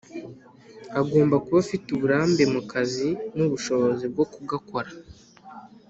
Agomba kuba afite uburambemukazi nubushobozi bwo kugakora